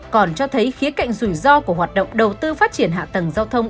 còn cho thấy khía cạnh rủi ro của hoạt động đầu tư phát triển hạ tầng giao thông